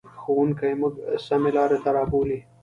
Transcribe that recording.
ښوونکی موږ سمې لارې ته رابولي.